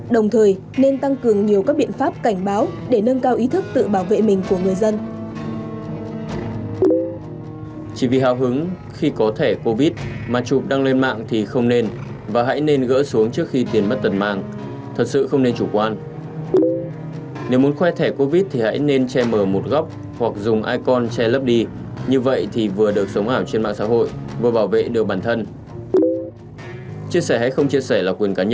đồng thời nên tăng cường nhiều các biện pháp cảnh báo để nâng cao ý thức tự bảo vệ mình của người dân